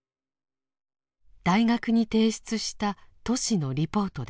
大学に提出したトシのリポートです。